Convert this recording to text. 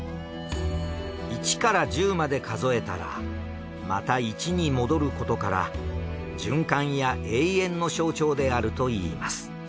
一から十まで数えたらまた一に戻ることから循環や永遠の象徴であるといいます。